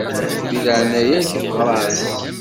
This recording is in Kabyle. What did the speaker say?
Di leɛnaya-k ɣeṛ-as.